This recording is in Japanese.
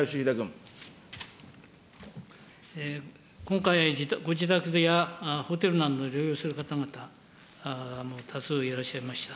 今回、ご自宅やホテルなどで療養する方々も多数いらっしゃいました。